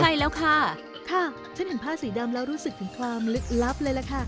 ใช่แล้วค่ะค่ะฉันเห็นผ้าสีดำแล้วรู้สึกถึงความลึกลับเลยล่ะค่ะ